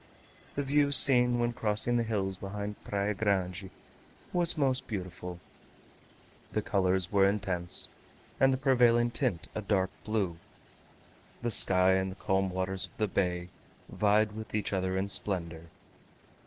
The view seen when crossing the hills behind Praia Grande was most beautiful; the colours were intense, and the prevailing tint a dark blue; the sky and the calm waters of the bay vied with each other in splendour.